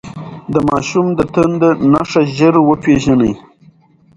د ماشوم د تنده نښې ژر وپېژنئ.